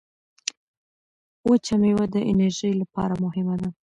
وچه مېوه د انرژۍ لپاره مهمه ده.